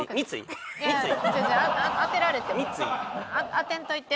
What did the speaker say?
当てんといて？